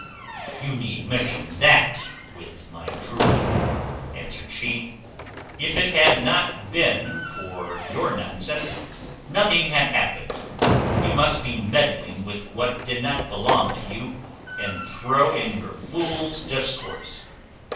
"You need mention that with my truly!" answered she: "if it had not been for your nonsense, nothing had happened. You must be meddling with what did not belong to you, and throw in your fool's discourse."